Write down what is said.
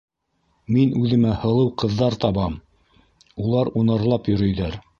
Мин үҙемә һылыу ҡыҙҙар табам, улар унарлап йөрөйҙәр.